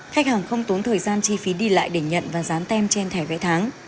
khách hàng không tốn thời gian chi phí đi lại để nhận và dán tem trên thẻ vé tháng